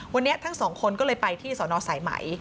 วันนี้ทั้งสองคนก็เลยไปที่สนสายไหม